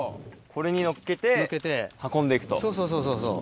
そうそうそうそうそう。